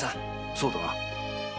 そうだな。